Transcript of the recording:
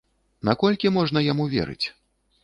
Наколькі можна яму верыць?